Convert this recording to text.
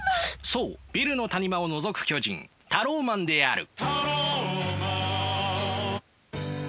そうビルの谷間をのぞく巨人タローマンである。